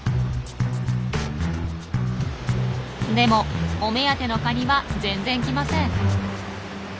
でもお目当てのカニは全然来ません。